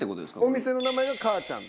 お店の名前が「かあちゃん」。